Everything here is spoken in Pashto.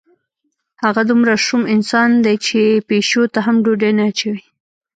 هغه دومره شوم انسان دی چې پیشو ته هم ډوډۍ نه اچوي.